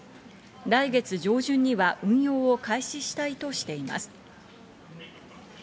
来月上旬には運用を開始したいとしています。